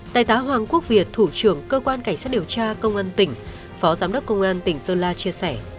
đại tá hoàng quốc việt thủ trưởng cơ quan cảnh sát điều tra công an tỉnh phó giám đốc công an tỉnh sơn la chia sẻ